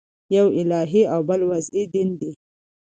یو الهي او بل وضعي دین دئ.